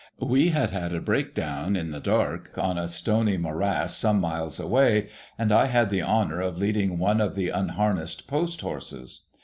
We had had a break down in the dark, on a stony morass some miles away ; and I had the honour of leading one of the unharnessed post horses.